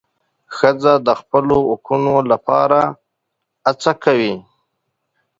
ښځه د خپلو حقونو لپاره هڅه کوي.